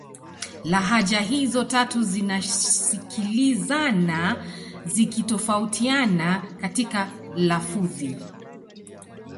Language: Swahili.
Lahaja hizo tatu zinasikilizana zikitofautiana katika lafudhi